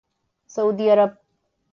سعودی عرب